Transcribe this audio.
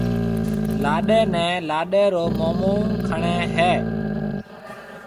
لاڏَي نيَ لاڏَي رو مومون کڻيَ ھيَََ